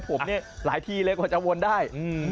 ผมเนี่ยหลายทีเลยกว่าจะวนได้